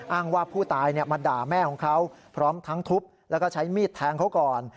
อ้างว่าผู้ตายมาด่าแม่ของเขาพร้อมทั้งทุบแล้วก็ใช้มีดแทงเขาก่อน